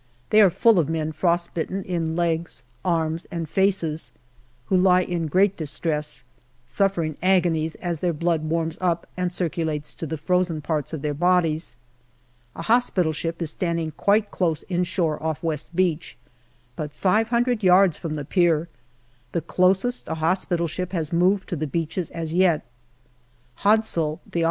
They are full of men frostbitten in legs, arms, and faces, who lie in great distress, suffering agonies as their blood warms up and circulates to the frozen parts of their bodies. A hospital ship is standing quite close inshore off West Beach, but five hundred yards from the pier, the closest a hospital ship has moved to the beaches as yet. Hodsall, the O.C.